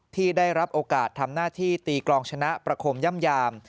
ที่ได้รับโอกาสทำหน้าที่ตีกลองชนะประคมย่ำยาม